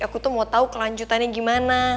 aku tuh mau tahu kelanjutannya gimana